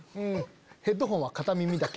ヘッドホンは片耳だけ。